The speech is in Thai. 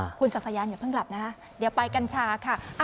อ่าคุณศักยานอย่าเพิ่งกลับนะฮะเดี๋ยวไปกันชาค่ะ